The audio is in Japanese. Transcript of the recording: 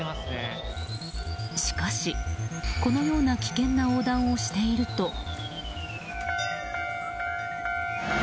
しかし、このような危険な横断をしていると。